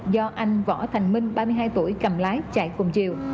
do anh võ thành minh ba mươi hai tuổi cầm lái chạy cùng chiều